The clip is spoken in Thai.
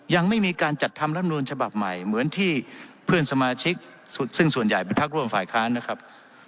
ยังไม่มีการจัดทำลำนูลฉบับใหม่เหมือนที่เพื่อนสมาชิกซึ่งส่วนใหญ่เป็นพักร่วมฝ่ายค้านนะครับ